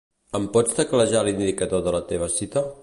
Em pots teclejar l'indicador de la teva cita?